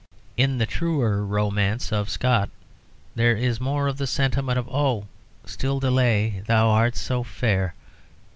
In the truer romance of Scott there is more of the sentiment of "Oh! still delay, thou art so fair"!